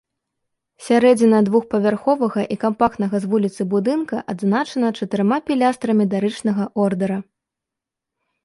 Сярэдзіна двухпавярховага і кампактнага з вуліцы будынка адзначана чатырма пілястрамі дарычнага ордэра.